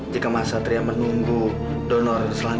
dia lagi mau buat warung laksan